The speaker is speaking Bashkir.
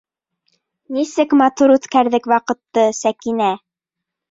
Нисек матур үткәрҙек ваҡытты, Сәкинә!